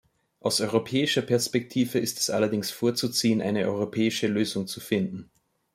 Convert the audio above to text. Aus europäischer Perspektive ist es allerdings vorzuziehen, eine europäische Lösung zu finden.